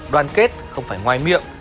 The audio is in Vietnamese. đoàn kết không phải ngoài miệng